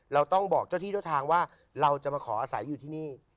เราต้องบอกเจ้าที่เจ้าทางว่าเราจะมาขออาศัยอยู่ที่นี่